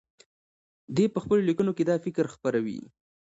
دی په خپلو لیکنو کې دا فکر خپروي.